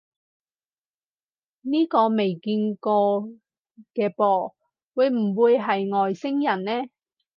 呢個未見過嘅噃，會唔會係外星人呢？